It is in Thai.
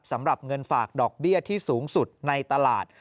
สำหรับเงินฝากดอกเบี้ยที่สูงสุดในตลาด